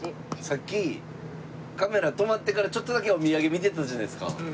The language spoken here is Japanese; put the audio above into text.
さっきカメラ止まってからちょっとだけお土産見てたじゃないですか。